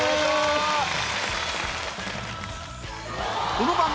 ・この番組を。